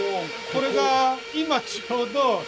これが今ちょうど。